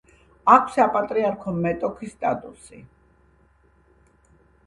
აქვს საპატრიარქო მეტოქის სტატუსი.